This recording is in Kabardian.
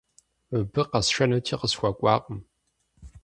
Мыбы къэсшэнути, къысхуэкӀуакъым.